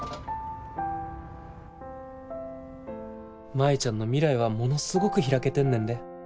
舞ちゃんの未来はものすごく開けてんねんで。